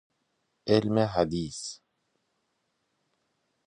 علم حدیث